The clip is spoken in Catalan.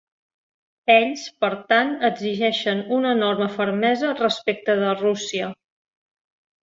Ells, per tant, exigeixen una enorme fermesa respecte de Rússia.